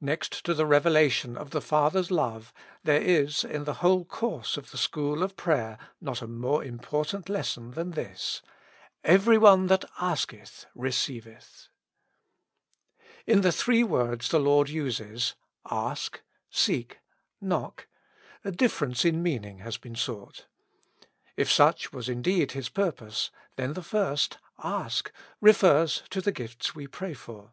Next to the revelation of the Father's love, there is, in the whole course of the school of pra} er, not a more important lesson than this : Every one that asketh, receiveth. In the three words the Lord uses, ask, seek, knock, a difference in meaning has been sought. If such was indeed His purpose, then the first, Ask, refers to the gifts we pray for.